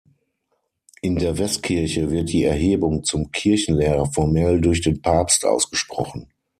In der Westkirche wird die Erhebung zum Kirchenlehrer formell durch den Papst ausgesprochen.